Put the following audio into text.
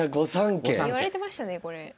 いわれてましたねこれ。